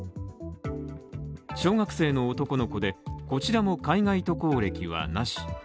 小学生の男の子で、こちらも海外渡航歴はなし。